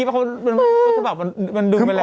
ในคลิปอ่ะเขาแบบมันดึงไปแล้ว